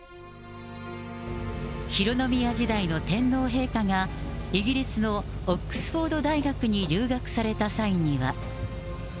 浩宮時代の天皇陛下が、イギリスのオックスフォード大学に留学された際には。